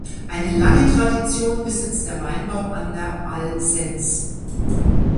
Eine lange Tradition besitzt der Weinbau an der Alsenz.